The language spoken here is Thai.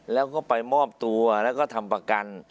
แล้วก็ไปมอบตัวแล้วก็ทำประกัน